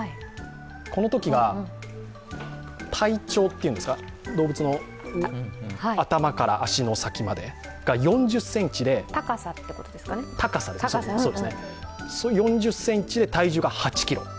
このときが体長というんですか、動物の頭から足の先までが４０ｃｍで体重が８ｋｇ。